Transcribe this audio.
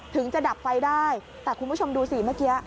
ถึงจะดับไฟได้แต่คุณผู้ชมดูสิเมื่อกี้